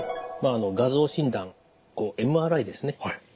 画像診断ＭＲＩですね。